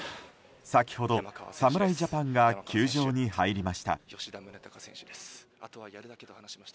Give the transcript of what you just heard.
先ほど侍ジャパンが球場に入りました。